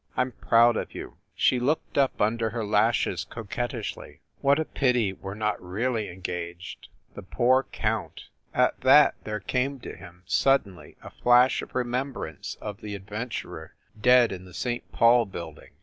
"I m proud of you !" She looked up under her lashes coquettishly, "What a pity we re not really engaged ! The poor Count!" At that there came to him, suddenly, a flash of remembrance of the adventurer, dead in the St. Paul building.